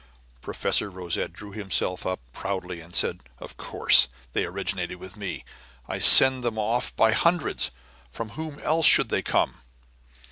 Professor Rosette drew himself up proudly and said: "Of course, they originated with me. I sent them off by hundreds. From whom else could they come?"